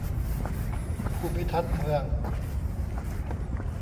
ภูมิทัศน์เมือง